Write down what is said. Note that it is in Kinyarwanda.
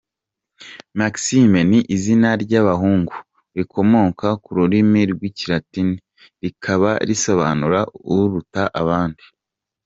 Maxime ni izina ry’abahungu rikomoka ku rurimi rw’Ikilatini rikaba risobanura “Uruta abandi”.